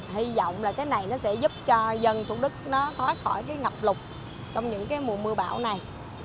hy vọng là cái này nó sẽ giúp cho dân thủ đức nó thoát khỏi cái ngập lục trong những cái mùa mưa bão này